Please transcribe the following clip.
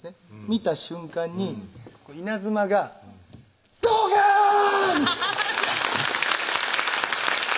見た瞬間に稲妻がドカーン‼